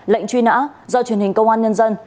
lệnh truy nã do truyền hình công an nhân dân